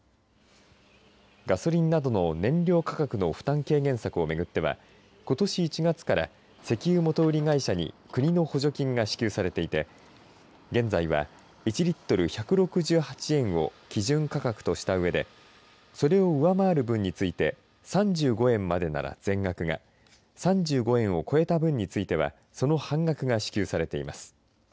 ガソリンなどの燃料価格の負担軽減策を巡ってはことし１月から石油元売り会社に国の補助金が支給されていて現在は１リットル１６８円を基準価格としたうえでそれを上回る分について３５円までなら全額が３５円を超えた分についてはその半額が支給されています。